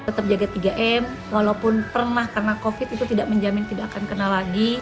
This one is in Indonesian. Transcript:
tetap jaga tiga m walaupun pernah karena covid itu tidak menjamin tidak akan kena lagi